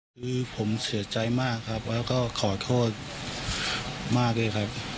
คือผมเสียใจมากครับแล้วก็ขอโทษมากด้วยครับ